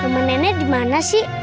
permen nenek di mana sih